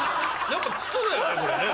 やっぱ靴だよね？